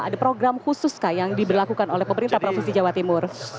ada program khusus yang diberlakukan oleh pemerintah provinsi jawa timur